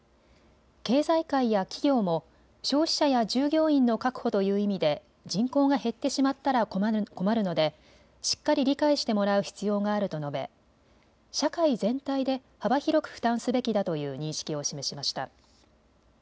経済界や企業も消費者や従業員の確保という意味で人口が減ってしまったら困るのでしっかり理解してもらう必要があると述べ社会全体で幅広く負担すべきだという認識を示しました。